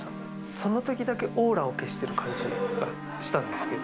そのときだけオーラを消してる感じがしたんですけど。